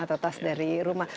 atau tas dari rumah